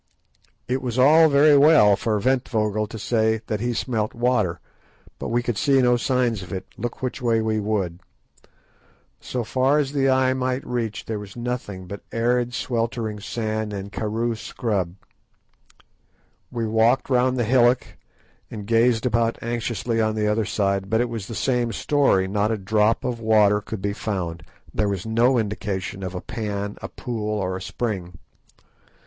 It was all very well for Ventvögel to say that he smelt water, but we could see no signs of it, look which way we would. So far as the eye might reach there was nothing but arid sweltering sand and karoo scrub. We walked round the hillock and gazed about anxiously on the other side, but it was the same story, not a drop of water could be found; there was no indication of a pan, a pool, or a spring.